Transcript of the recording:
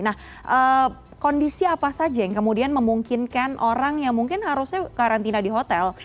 nah kondisi apa saja yang kemudian memungkinkan orang yang mungkin harusnya karantina di hotel